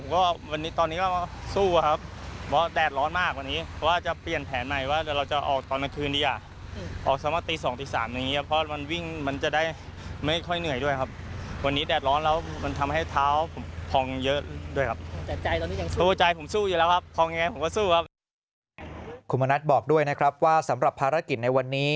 คุณมณัฐบอกด้วยนะครับว่าสำหรับภารกิจในวันนี้